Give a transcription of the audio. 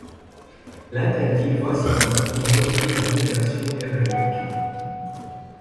L'interdit va si loin qu'il modifie la numération hébraïque.